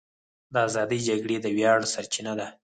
د ازادۍ جګړې د ویاړ سرچینه ده.